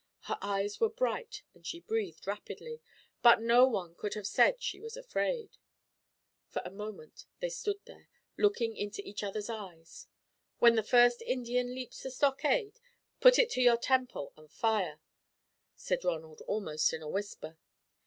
Her eyes were bright and she breathed rapidly, but no one could have said she was afraid. For a moment they stood there, looking into each other's eyes. "When the first Indian leaps the stockade, put it to your temple and fire," said Ronald, almost in a whisper.